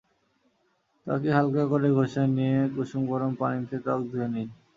ত্বকে হালকা করে ঘষে নিয়ে কুসুম গরম পানিতে ত্বক ধুয়ে নিন।